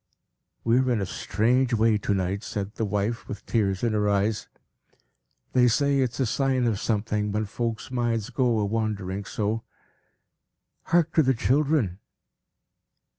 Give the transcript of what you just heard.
"We're in a strange way, to night," said the wife, with tears in her eyes. "They say it's a sign of something, when folks' minds go a wandering so. Hark to the children!"